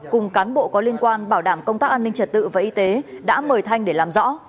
cùng cán bộ có liên quan bảo đảm công tác an ninh trật tự và y tế đã mời thanh để làm rõ